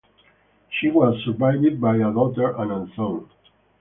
She was survived by a daughter and a son.